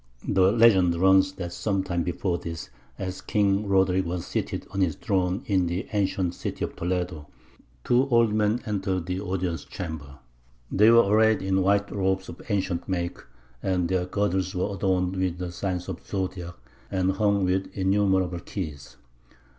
The legend runs that some time before this, as King Roderick was seated on his throne in the ancient city of Toledo, two old men entered the audience chamber. They were arrayed in white robes of ancient make, and their girdles were adorned with the signs of the Zodiac and hung with innumerable keys.